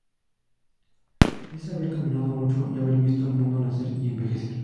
Dice haber caminado mucho y haber visto al mundo nacer y envejecer.